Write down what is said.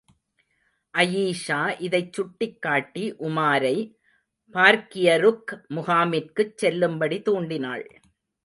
அயீஷா, இதைச் சுட்டிக்காட்டி, உமாரை பார்க்கியருக் முகாமிற்குச் செல்லும்படி தூண்டினாள்.